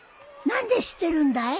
何で知ってるんだい？